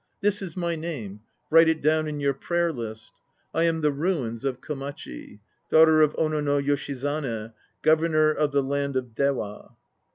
This is my name; write it down in your prayer list : I am the ruins of Komachi, daughter of Ono no Yoshizane, Governor of the land of Dewa.